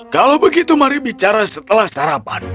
kalau begitu mari bicara setelah sarapan